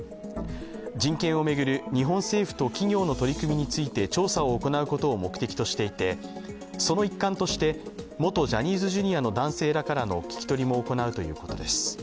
人権を巡る日本政府と企業の取り組みについて調査を行うことを目的としていてその一環として、元ジャニーズＪｒ．の男性らからの聞き取りも行うということです。